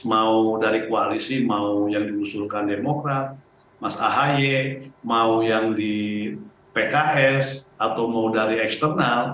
mau dari koalisi mau yang diusulkan demokrat mas ahaye mau yang di pks atau mau dari eksternal